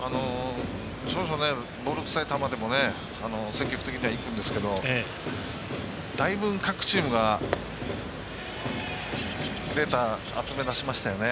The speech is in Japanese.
少々、ボールくさい球でも積極的にはいくんですけどだいぶ各チームがデータ集めだしましたよね。